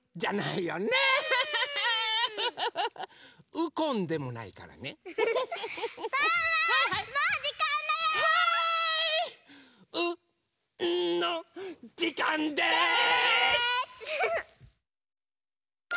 「うんのじかんです！」。です！